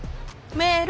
メール？